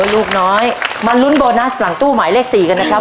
ลูกน้อยมาลุ้นโบนัสหลังตู้หมายเลข๔กันนะครับ